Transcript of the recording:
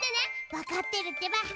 わかってるってば。